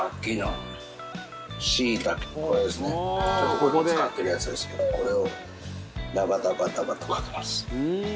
ほぼ使ってるやつですけどこれをダバダバダバとかけます。